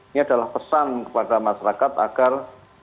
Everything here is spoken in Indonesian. ini adalah pesan kepada masyarakat agar